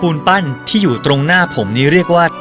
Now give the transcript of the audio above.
ปั้นที่อยู่ตรงหน้าผมนี้เรียกว่า